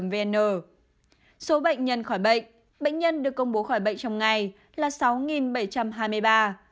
bệnh nhân được công bố khỏi bệnh trong ngày là sáu bảy trăm hai mươi ba